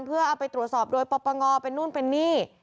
เพื่อเอาไปตรวจสอบโดยปปงเป็นนู่นเป็นนี่